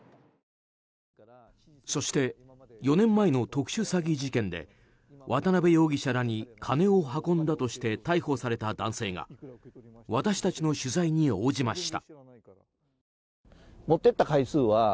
そして４年前の特殊詐欺事件で渡邉容疑者らに金を運んだとして逮捕された男性が私たちの取材に応じました。